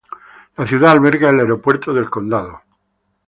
La ciudad alberga el Aeropuerto del Condado de Boone.